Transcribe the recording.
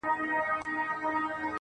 خو هغه نجلۍ ټوله مست سرور دی د ژوند~